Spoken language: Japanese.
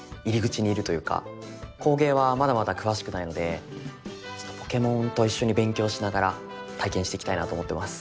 工芸はまだまだ詳しくないのでポケモンと一緒に勉強しながら体験していきたいなと思ってます。